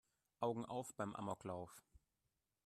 Augen auf beim Amoklauf!